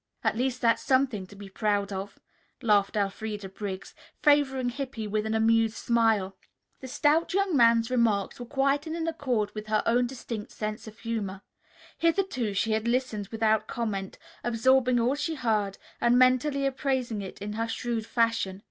"At least, that's something to be proud of," lauded Elfreda Briggs, favoring Hippy with an amused smile. The stout young man's remarks were quite in accord with her own distinct sense of humor. Hitherto she had listened without comment, absorbing all she heard and mentally appraising it in her shrewd fashion.